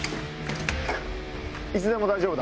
いつでも大丈夫だ。